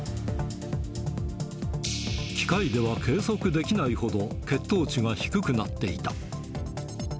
機械では計測できないほど、血糖値が低くなっていた。